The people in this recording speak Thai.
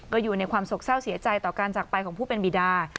ก็อยู่ในความสกเศร้าเสียใจต่อการจักรไปของผู้เป็นบีดา